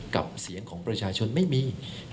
กับเสียงของประชาชนไม่มี